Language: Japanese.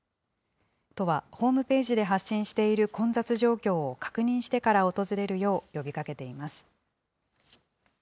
都は、ホームページで発信している混雑状況を確認してから訪れるよう呼びかけています。